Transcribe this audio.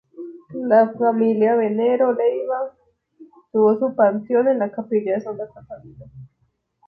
La familia Venero Leyva tuvo su panteón en la capilla de Santa Catalina.